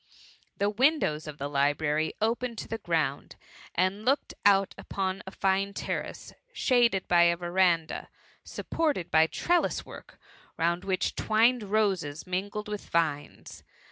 The windows of the library opened to the ground, and looked out upon a fine terrace, shaded by a verandah, supported hj trelUs* work, round which, twined roses mingled with vines.